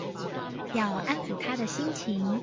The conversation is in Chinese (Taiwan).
要安撫她的心情